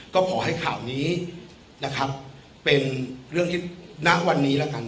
ก็ขอให้ข่าวนี้เป็นเรื่องที่น่าวันนี้แล้วกัน